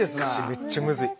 めっちゃむずい。